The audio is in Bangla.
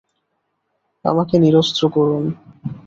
আমাকে নিরস্ত্র করুন।